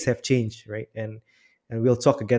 kita akan mengundang anda lagi